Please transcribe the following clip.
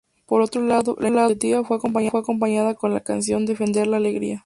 Por otro lado, la iniciativa fue acompañada con la canción Defender la alegría.